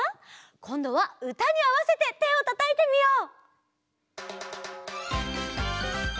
こんどはうたにあわせててをたたいてみよう！